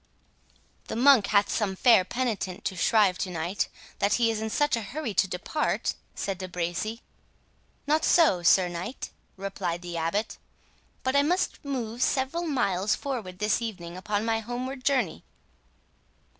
"The monk hath some fair penitent to shrive to night, that he is in such a hurry to depart," said De Bracy. "Not so, Sir Knight," replied the Abbot; "but I must move several miles forward this evening upon my homeward journey."